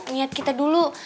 niat kita dulu